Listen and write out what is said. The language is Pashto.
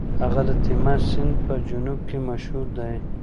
هغه د تیمس سیند په جنوب کې مشهور دی.